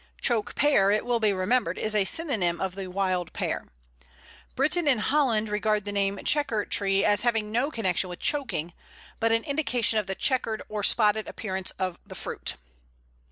Choke pear, it will be remembered, is a synonym of the Wild Pear. Britten and Holland regard the name Chequer tree as having no connection with choking, but an indication of the chequered or spotted appearance of the fruit.